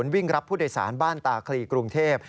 วิ่งรับผู้โดยสารบ้านตาคลีกรุงเทพ